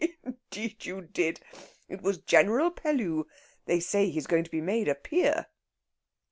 Indeed, you did! It was General Pellew; they say he's going to be made a peer."